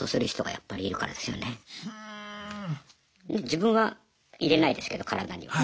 自分は入れないですけど体には。